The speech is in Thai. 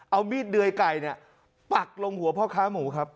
เอามีดเดยไก่ปักลงหัวพ่อค้าหมูครับ